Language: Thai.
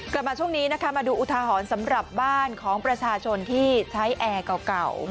กลับมาช่วงนี้นะคะมาดูอุทาหรณ์สำหรับบ้านของประชาชนที่ใช้แอร์เก่า